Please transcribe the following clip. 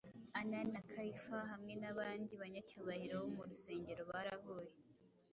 Ana na Kayifa hamwe n’abandi banyacyubahiro bo mu rusengero barahuye